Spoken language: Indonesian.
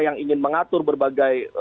yang ingin mengatur berbagai